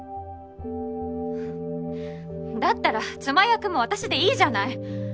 だったら妻役も私でいいじゃない。